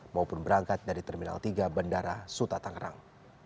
maupun berangkat dari terminal tiga bandara suta tangerang